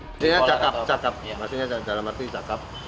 ini cakap cakap maksudnya dalam arti cakap